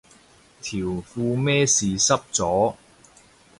條褲咩事濕咗